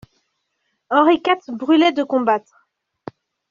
Henri quatre brûlait de combattre.